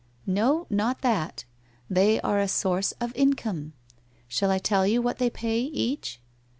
1 No, not that. They are a source of income. Shall I tell you what they pay each